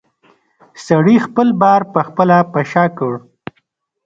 سړي خپل بار پخپله په شا کړ.